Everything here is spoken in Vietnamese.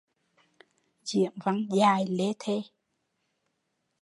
Diễn văn dài lê thê